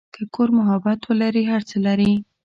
که کور محبت ولري، هر څه لري.